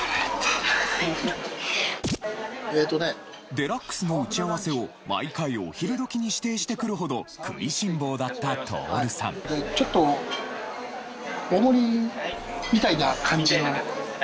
『ＤＸ』の打ち合わせを毎回お昼時に指定してくるほど食いしん坊だった徹さんみたいな感じの。